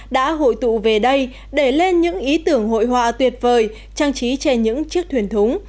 đã hội tụ về đây để lên những ý tưởng hội họa tuyệt vời trang trí trên những chiếc thuyền thúng